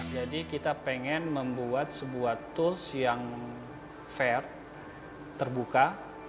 jadi kita ingin membuat sebuah tools yang fair terbuka